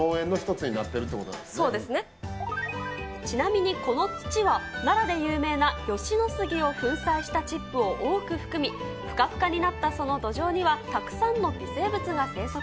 ちなみにこの土は、奈良で有名な吉野杉を粉砕したチップを多く含み、ふかふかになったその土壌には、たくさんの微生物が生息。